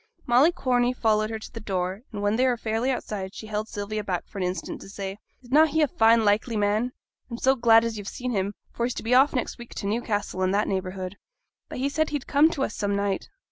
Molly Corney followed her to the door, and when they were fairly outside, she held Sylvia back for an instant to say, 'Is na' he a fine likely man? I'm so glad as yo've seen him, for he's to be off next week to Newcastle and that neighbourhood.' 'But he said he'd come to us some night?'